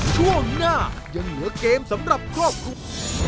ช่วงหน้ายังเหลือเกมสำหรับครอบครัว